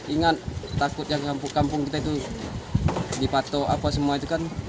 ingat takut yang kampung kampung kita itu dipatok apa semua itu kan